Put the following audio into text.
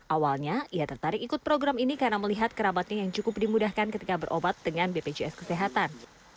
awalnya ia tertarik ikut program ini karena melihat kerabatnya yang cukup dimudahkan ketika berobat dengan bpjs kesehatan